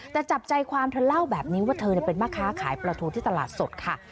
แต่จับใจความเธอเล่าแบบนี้ว่าเธอเป็นแม่ค้าขายปลาทูที่ตลาดสดค่ะ